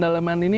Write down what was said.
dan anytime ini